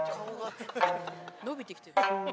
伸びてきてる。